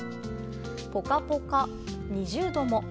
ポカポカ、２０度も。